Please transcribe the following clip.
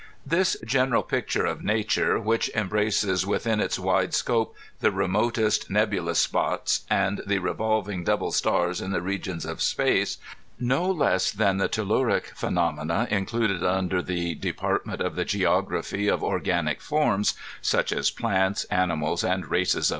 This general picture of nature, which embraces within its wide scope the remotest nebulous spots, and the revolving double stars in the regions of space, no less than the telluric phenomena included under the department of the geography of organic forms (such as plants, animals, and races (^.